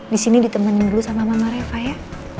disini ditemenin dulu sama mama reva ya